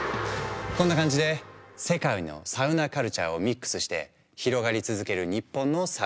こんな感じで世界のサウナカルチャーをミックスして広がり続ける日本のサウナシーン。